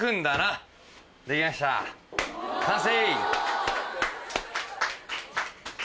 完成！